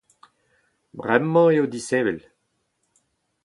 Bremañ eo disheñvel.